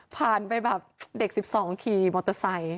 ผ่านไปแบบเด็ก๑๒ขี่มอเตอร์ไซค์